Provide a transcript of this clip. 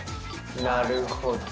なるほど。